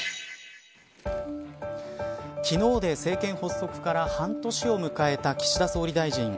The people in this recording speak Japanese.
昨日で政権発足から半年を迎えた岸田総理大臣。